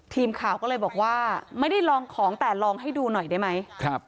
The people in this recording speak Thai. ทีมข่าวก็เลยบอกว่าไม่ได้ลองของแต่ลองให้ดูหน่อยได้ไหม